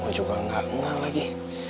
gue juga gak enal lagi